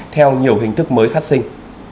theo nhiều hình thức mới phát sinh